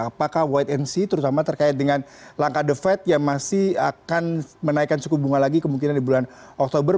apakah wait and see terutama terkait dengan langkah the fed yang masih akan menaikkan suku bunga lagi kemungkinan di bulan oktober